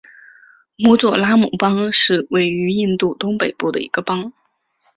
米佐拉姆邦是位于印度东北部的一个邦。